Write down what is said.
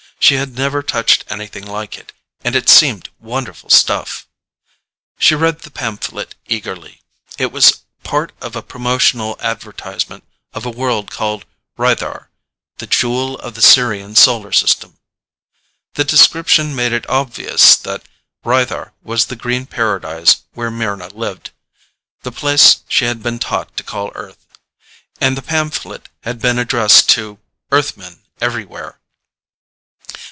She had never touched anything like it; and it seemed wonderful stuff. She read the pamphlet eagerly. It was part of a promotional advertisement of a world called Rythar, "the jewel of the Sirian Solar System." The description made it obvious that Rythar was the green paradise where Mryna lived the place she had been taught to call Earth. And the pamphlet had been addressed to "Earthmen everywhere."